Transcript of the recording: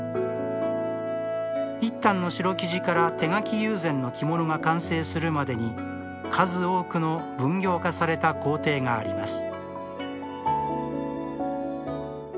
１反の白生地から手描き友禅の着物が完成するまでに数多くの分業化された工程があります